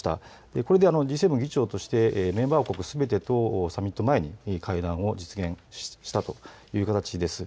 これでＧ７議長としてメンバー国すべてとサミット前に会談を実現したという形です。